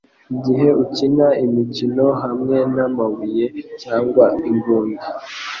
igihe ukina imikino hamwe namabuye cyangwa imbunda